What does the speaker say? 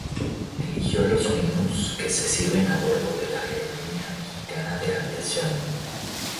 Dirigió los menús que se sirven a bordo de la aerolínea Mexicana de Aviación.